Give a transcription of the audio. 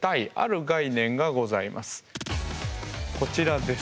こちらです。